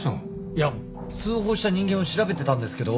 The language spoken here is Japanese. いや通報した人間を調べてたんですけど。